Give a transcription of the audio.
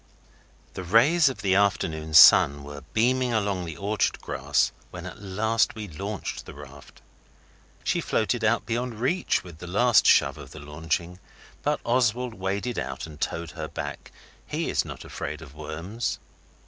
The rays of the afternoon sun were beaming along the orchard grass when at last we launched the raft. She floated out beyond reach with the last shove of the launching. But Oswald waded out and towed her back; he is not afraid of worms.